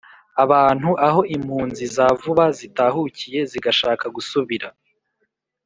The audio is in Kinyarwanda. Abantu aho impunzi za vuba zitahukiye zigashaka gusubira